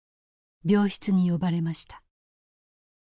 病室に呼ばれました。